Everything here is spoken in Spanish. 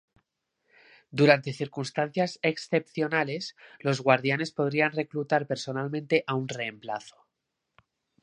Durante circunstancias excepcionales, los Guardianes podrían reclutar personalmente a un reemplazo.